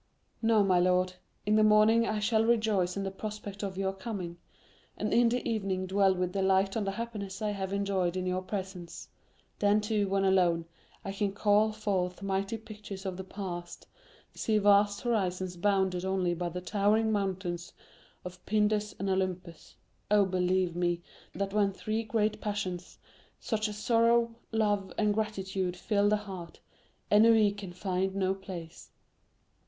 "No, my lord. In the morning, I shall rejoice in the prospect of your coming, and in the evening dwell with delight on the happiness I have enjoyed in your presence; then too, when alone, I can call forth mighty pictures of the past, see vast horizons bounded only by the towering mountains of Pindus and Olympus. Oh, believe me, that when three great passions, such as sorrow, love, and gratitude fill the heart, ennui can find no place."